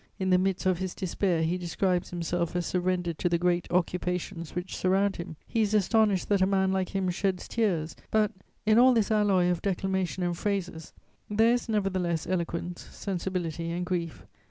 In the midst of his despair, he describes himself as surrendered to the great occupations which surround him; he is astonished that a man like him sheds tears; but, in all this alloy of declamation and phrases, there is nevertheless eloquence, sensibility and grief.